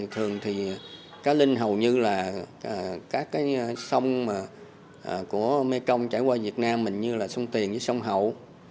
thường thì cá linh hầu như là các cái sông của mekong trải qua việt nam mình như là sông tiền với sông hậu